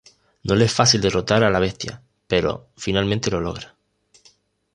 No le es fácil derrotar a la bestia, pero finalmente lo logra.